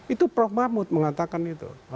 itu prof mahfud mengatakan itu